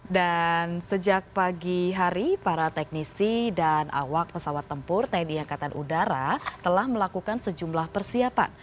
sejak pagi hari para teknisi dan awak pesawat tempur tni angkatan udara telah melakukan sejumlah persiapan